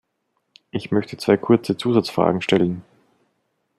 Ich möchte zwei kurze Zusatzfragen stellen.